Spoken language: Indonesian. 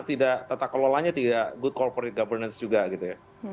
tidak tata kelolanya tidak good corporate governance juga gitu ya